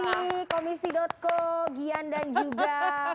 terima kasih komisi co gyan dan juga